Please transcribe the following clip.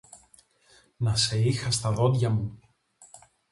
«Να σε είχα στα δόντια μου!